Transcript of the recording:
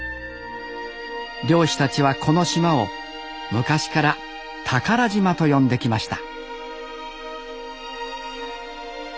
漁師たちはこの島を昔から「宝島」と呼んできました